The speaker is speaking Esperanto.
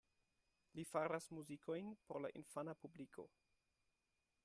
Li faras muzikojn por la infana publiko.